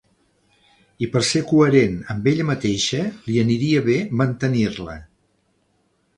I per ser coherent amb ella mateixa, li aniria bé mantenir-la.